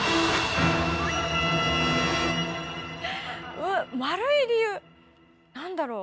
うっ丸い理由なんだろう？